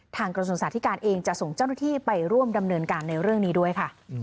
กระทรวงสาธิการเองจะส่งเจ้าหน้าที่ไปร่วมดำเนินการในเรื่องนี้ด้วยค่ะ